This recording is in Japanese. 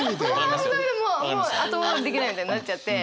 本当にもう後戻りできないみたいになっちゃって。